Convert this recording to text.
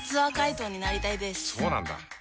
そうなんだ。